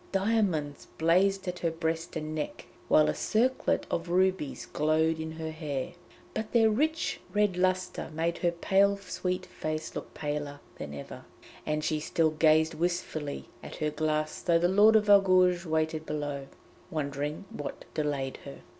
Diamonds blazed at her breast and neck, while a circlet of rubies glowed in her hair. But their rich red lustre made her pale sweet face look paler than ever, and she still gazed wistfully at her glass though the Lord of Argouges waited below, wondering what delayed her.